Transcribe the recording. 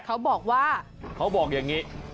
เขาบอกเขาบอกอย่างนี้